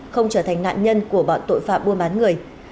không trở thành nạn nhân của bọn tội phạm buôn bán người